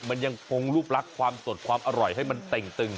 มันยังคงรูปลักษณ์ความสดความอร่อยให้มันเต่งตึง